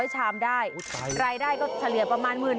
ชามอย่างนี้ด้วยถูก